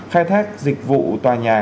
khai thác dịch vụ tòa nhà